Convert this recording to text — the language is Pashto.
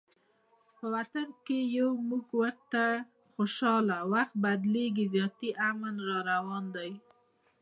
په وطن کې یو مونږ ټول ورته خوشحاله، وخت بدلیږي زیاتي امن راروان دی